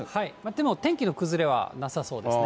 でも天気の崩れはなさそうですね。